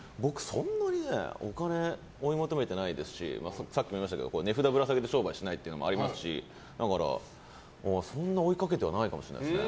そんなにお金追い求めてないですしさっきも言いましたけど値札をぶら下げて商売してないっていうのもありますしだから、そんなに追いかけてはないかもしれないですね。